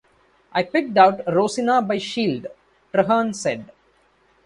I picked out "Rosina" by Shield," Treherne said.